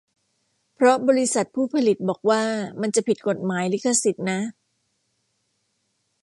เพราะบริษัทผู้ผลิตบอกว่ามันจะผิดกฎหมายลิขสิทธิ์นะ